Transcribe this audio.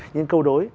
những câu đối